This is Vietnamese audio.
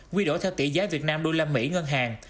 quy đổi theo tỷ giá việt nam usd ngân hàng